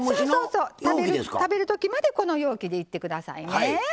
食べるときまで、この容器でいってくださいね。